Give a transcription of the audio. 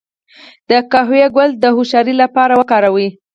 د قهوې ګل د هوښیارۍ لپاره وکاروئ